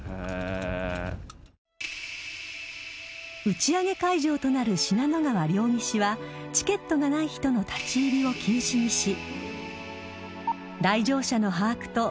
打ち上げ会場となる信濃川両岸はチケットがない人の立ち入りを禁止にし。